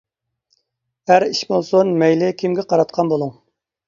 ھەر ئىش بولسۇن مەيلى كىمگە قاراتقان بولۇڭ.